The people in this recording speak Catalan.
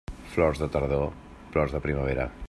Flors de tardor, plors de primavera.